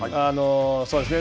そうですね。